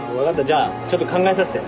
じゃあちょっと考えさせて。